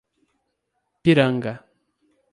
Piranga